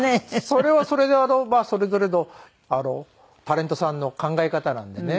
それはそれでまあそれぞれのタレントさんの考え方なんでね。